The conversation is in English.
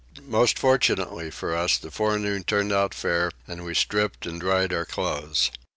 Most fortunately for us the forenoon turned out fair and we stripped and dried our clothes.